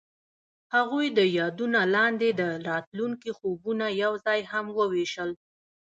هغوی د یادونه لاندې د راتلونکي خوبونه یوځای هم وویشل.